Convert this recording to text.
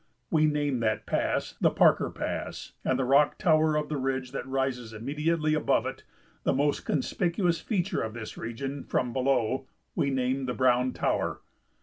We named that pass the Parker Pass, and the rock tower of the ridge that rises immediately above it, the most conspicuous feature of this region from below, we named the Browne Tower.